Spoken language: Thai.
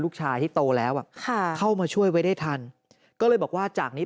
ลูกชายที่โตแล้วอ่ะค่ะเข้ามาช่วยไว้ได้ทันก็เลยบอกว่าจากนี้